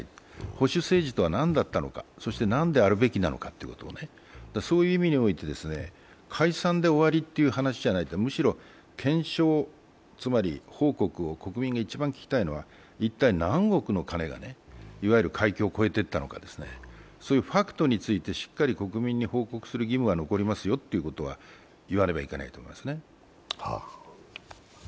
保守政治とは何だったのか、そして何であるべきだったのか、そういう意味において、解散で終わりという話しじゃなくむしろ検証、つまり報告を国民が一番聞きたいのは、一体何億の金がいわゆる海峡を越えていったのか、そういうファクトについてしっかり国民に報告する義務が残りますよというのは言わねばいけないと思いますね。